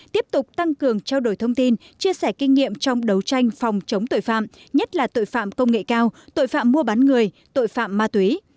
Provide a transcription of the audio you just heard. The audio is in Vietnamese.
tiếp tục tăng cường trao đổi thông tin chia sẻ kinh nghiệm trong đấu tranh phòng chống tội phạm nhất là tội phạm công nghệ cao tội phạm mua bán người tội phạm ma túy